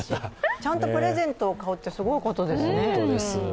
ちゃんとプレゼントを買うってすごいことですよね。